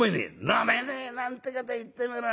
「『飲めねえ』なんてこと言ってみろよ。